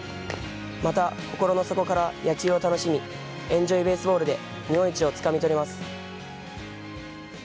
また、心の底から野球を楽しみエンジョイベースボールで日本一をつかみ取ります。